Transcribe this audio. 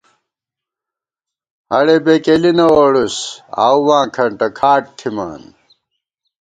ہَڑےبېکېلی نہ ووڑوس، آؤواں کھنٹ کھاٹ تھِمان